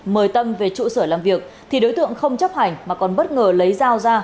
mời tâm về trụ sở làm việc thì đối tượng không chấp hành mà còn bất ngờ lấy dao ra